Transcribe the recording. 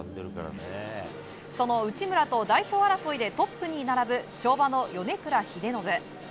その内村と代表争いでトップに並ぶ跳馬の米倉英信。